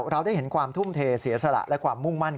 เราได้เห็นความทุ่มเทเสียสละและความมุ่งมั่น